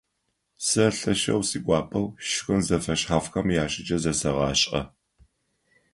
Сэ лъэшэу сигуапэу шхын зэфэшъхьафхэм яшӀыкӀэ зэсэгъашӀэ.